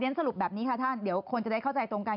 สรุปแบบนี้ค่ะท่านเดี๋ยวคนจะได้เข้าใจตรงกัน